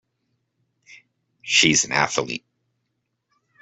She is an Athlete.